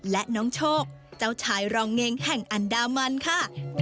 และน้องโชคเจ้าชายรองเงงแห่งอันดามันค่ะ